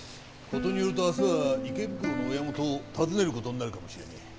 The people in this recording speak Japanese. ことによると明日は池袋の親元を訪ねる事になるかもしれねえ。